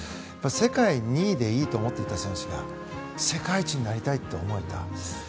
世界２位でいいと思っていた選手が世界一になりたいと思えたんです。